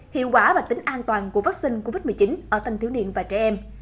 hiệu quả và tính an toàn của vaccine covid một mươi chín ở thanh thiếu niên và trẻ em